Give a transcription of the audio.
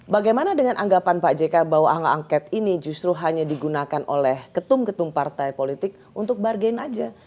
bagaimana dengan anggapan pak jk bahwa hak angket ini justru hanya digunakan oleh ketum ketum partai politik untuk bargain aja